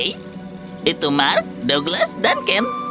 itu mark douglas dan ken